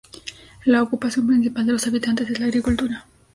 La ocupación principal de los habitantes es la agricultura.